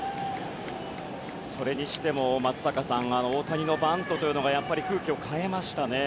それにしても松坂さん大谷のバントというのがやっぱり空気を変えましたね。